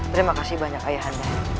terima kasih banyak ayahanda